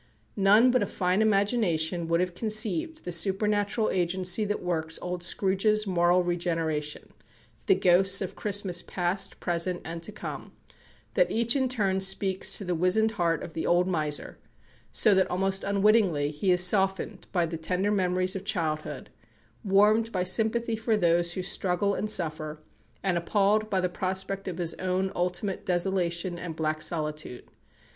None but a fine imagination would have conceived the supernatural agency that works old Scrooge's moral regeneration the ghosts of Christmas past, present, and to come, that each in turn speaks to the wizened heart of the old miser, so that, almost unwittingly, he is softened by the tender memories of childhood, warmed by sympathy for those who struggle and suffer, and appalled by the prospect of his own ultimate desolation and black solitude.